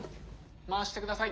回してください。